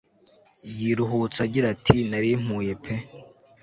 Yiruhutsa agira ati narimpuye pe